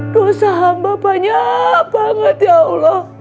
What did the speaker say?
dosa hamba banyak banget ya allah